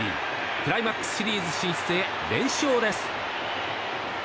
クライマックスシリーズ進出へ連勝です。